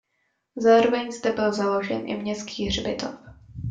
Zároveň zde byl založen i městský hřbitov.